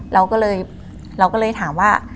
เราก็เลยถามว่า